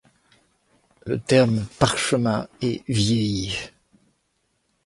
Le terme parchemin est vieilli.